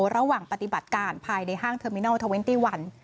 ระหว่างปฏิบัติการภายในห้างเทอร์มินัลท์๒๑